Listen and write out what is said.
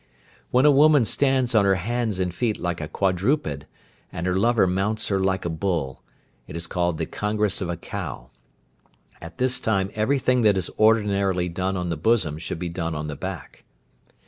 When a woman stands on her hands and feet like a quadruped, and her lover mounts her like a bull, it is called the "congress of a cow." At this time everything that is ordinarily done on the bosom should be done on the back.